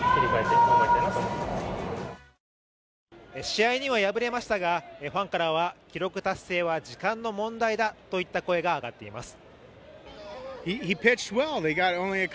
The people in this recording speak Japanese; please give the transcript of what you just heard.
試合には敗れましたが、ファンからは記録達成は時間の問題だとの声が上がっています。